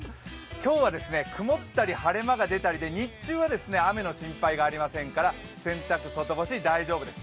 今日は曇ったり晴れ間が出たりで日中は雨の心配がありませんから、洗濯、外干し大丈夫です。